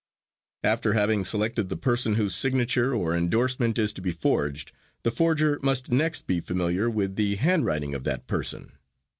After having selected the person whose signature or endorsement is to be forged, the forger must next be familiar with the handwriting of that person.